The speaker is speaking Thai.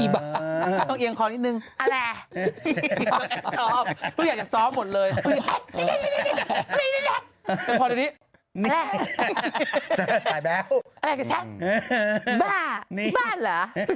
บ้านบ้าเหรอ